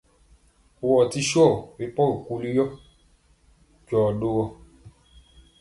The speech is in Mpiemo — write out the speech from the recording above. Wɔ ti swɔ ri pɔgi kuli yɔ, jɔ ɗogɔ.